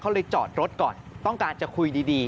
เขาเลยจอดรถก่อนต้องการจะคุยดี